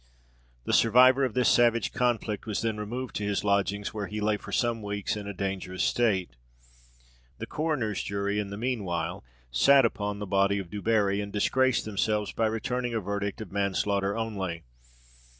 The survivor of this savage conflict was then removed to his lodgings, where he lay for some weeks in a dangerous state. The coroner's jury, in the mean while, sat upon the body of Du Barri, and disgraced themselves by returning a verdict of manslaughter only.